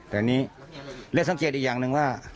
แต่นี่และสังเกตอีกอย่างนึงว่า